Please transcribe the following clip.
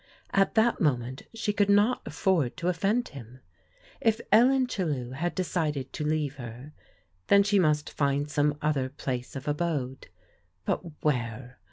At that moment she could not afford to of fend him. If Ellen Chellew had decided to leave her, then she must find some other place of abode. But where